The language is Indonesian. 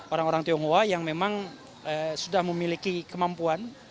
orang orang tionghoa yang memang sudah memiliki kemampuan